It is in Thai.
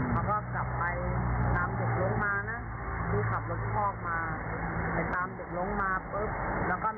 เขาก็กลับไปตามเด็กลงมานะ